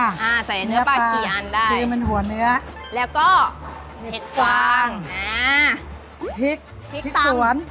อ่าใส่เนื้อปลากี่อันได้คือมันหัวเนื้อแล้วก็เห็ดกวางอ่าพริกพริกตาสวน